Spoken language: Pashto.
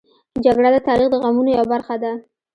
جګړه د تاریخ د غمونو یوه برخه ده